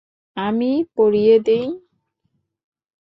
আমি পরিয়ে দিই।